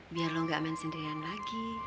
biar lo gak main sendirian lagi